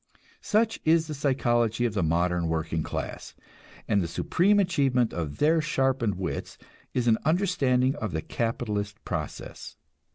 Such is the psychology of the modern working class; and the supreme achievement of their sharpened wits is an understanding of the capitalist process.